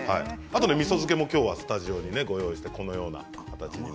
みそ漬けも今日はスタジオにねご用意してこのような形になって。